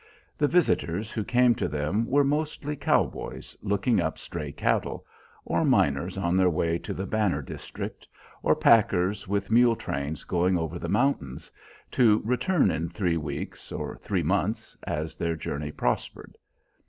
The visitors who came to them were mostly cow boys looking up stray cattle, or miners on their way to the "Banner district," or packers with mule trains going over the mountains, to return in three weeks, or three months, as their journey prospered.